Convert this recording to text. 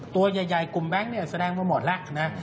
ตัวใหญ่กลุ่มแบงค์แสดงมันหมดละ